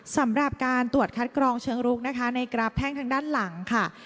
สำหรับการตรวจคัดกรองเชิงรุกนะคะในกราบแพ่งทางด้านหลังค่ะ